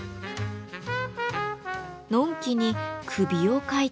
のんきに首をかいたり。